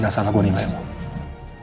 gak salah gue nilai lo